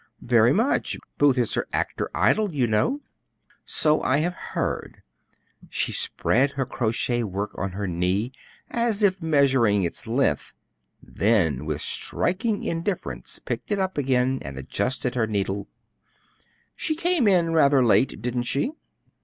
"Very much. Booth is her actor idol, you know." "So I have heard." She spread her crochet work on her knee as if measuring its length, then with striking indifference picked it up again and adjusted her needle, "She came in rather late, didn't she?"